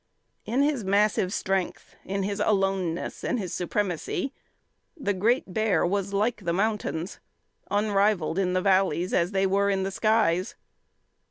In his massive strength, in his aloneness and his supremacy, the great bear was like the mountains, unrivalled in the valleys as they were in the skies.